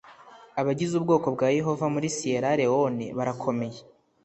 abagize ubwoko bwa Yehova muri Siyera Lewone barakomeye.